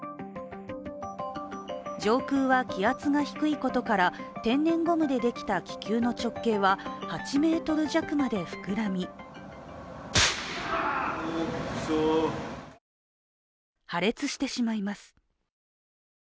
上空は気圧が低いことから、天然ゴムでできた気球の直径は８ｍ弱まで膨らみ破裂してしまいます。